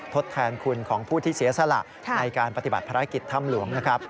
ทดแทนคุณของผู้ที่เสียสละในการปฏิบัติภารกิจถ้ำหลวงนะครับ